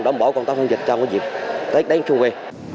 đảm bảo con tăng dịch trong dịp tết đến xuân về